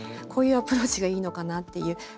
こういうアプローチがいいのかなっていう